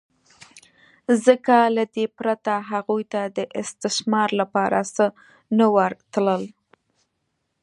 ځکه له دې پرته هغوی ته د استثمار لپاره څه نه ورتلل